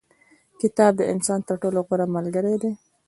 کتاب د انسان تر ټولو غوره ملګری کېدای سي.